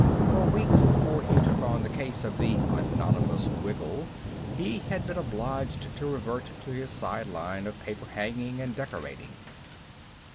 For weeks before he took on the case of the Anonymous Wiggle, he had been obliged to revert to his side line of paper hanging and decorating.